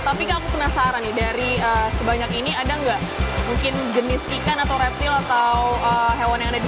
tapi kak aku penasaran nih dari sebanyak ini ada nggak mungkin jenis ikan atau reptil atau hewan yang ada di